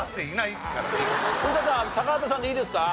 古田さん高畑さんでいいですか？